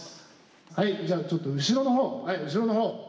はいじゃあちょっと後ろの方はい後ろの方。